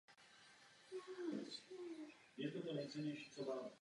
Klade se velký důraz na vzdělání.